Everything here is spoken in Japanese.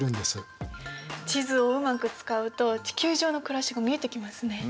地図をうまく使うと地球上の暮らしが見えてきますね。